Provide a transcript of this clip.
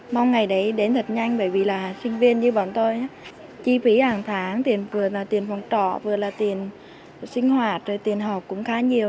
mong ngày đấy đến thật nhanh bởi vì là sinh viên như bọn tôi chi phí hàng tháng tiền vừa là tiền phòng trọ vừa là tiền sinh hoạt tiền học cũng khá nhiều